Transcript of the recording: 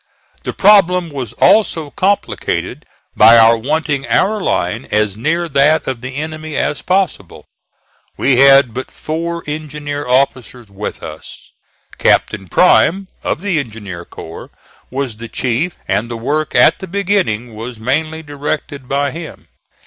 The problem was also complicated by our wanting our line as near that of the enemy as possible. We had but four engineer officers with us. Captain Prime, of the Engineer Corps, was the chief, and the work at the beginning was mainly directed by him.